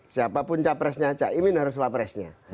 siapapun capresnya caimin harus wapresnya